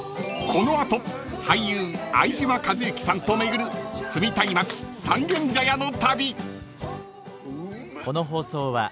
［この後俳優相島一之さんと巡る住みたい街三軒茶屋の旅］